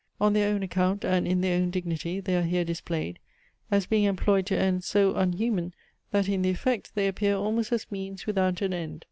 On their own account, and, in their own dignity, they are here displayed, as being employed to ends so unhuman, that in the effect, they appear almost as means without an end.